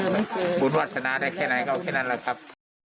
มันบุญวาสนาได้แค่ไหนก็แค่นั้นแหละครับ